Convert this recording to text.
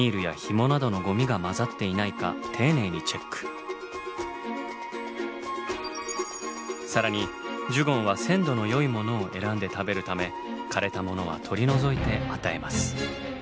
まずは仕入れた海草に更にジュゴンは鮮度のよいものを選んで食べるため枯れたものは取り除いて与えます。